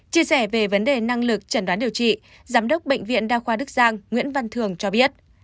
chia sẻ về vấn đề năng lực chẩn đoán điều trị giám đốc bệnh viện đa khoa đức giang nguyễn văn thường cho biết